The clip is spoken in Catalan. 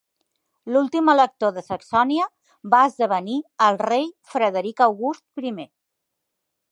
L'últim elector de Saxònia va esdevenir el rei Frederic August primer.